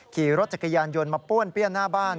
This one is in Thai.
ขี่รถจักรยานยนต์มาป้วนเปี้ยนหน้าบ้าน